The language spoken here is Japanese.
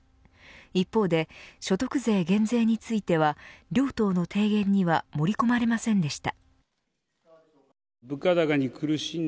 一方で所得税減税については両党の提言には盛り込まれませんでした。